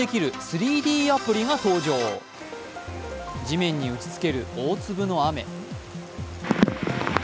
地面に打ちつける大粒の雨。